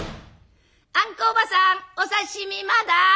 「あんこおばさんお刺身まだ？